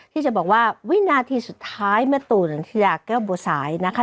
ที่จะบอกว่าวินาทีสุดท้ายแม่ตู่นันทิยาแก้วบัวสายนะคะ